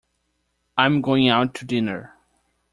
I am going out to dinner.